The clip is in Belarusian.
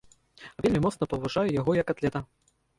Вельмі моцна паважаю яго як атлета.